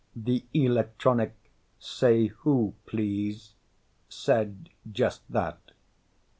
The electronic say who please said just that.